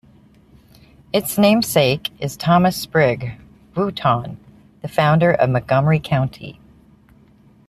Its namesake is Thomas Sprigg Wootton, the founder of Montgomery County.